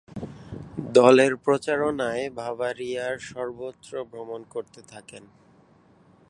দলের প্রচারণায় বাভারিয়ার সর্বত্র ভ্রমণ করতে থাকেন।